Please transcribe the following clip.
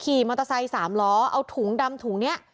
ขี่มอเตอร์ไซค์๓ล้อเอาถุงดำถุงนี้